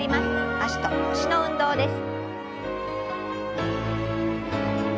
脚と腰の運動です。